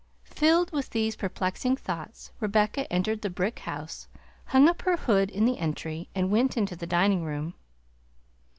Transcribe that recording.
Filled with these perplexing thoughts, Rebecca entered the brick house, hung up her hood in the entry, and went into the dining room.